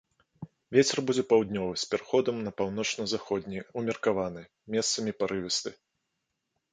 Вецер будзе паўднёвы з пераходам на паўночна-заходні ўмеркаваны, месцамі парывісты.